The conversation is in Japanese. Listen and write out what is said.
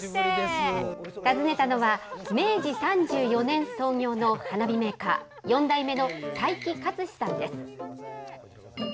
訪ねたのは、明治３４年創業の花火メーカー、４代目の齊木克司さんです。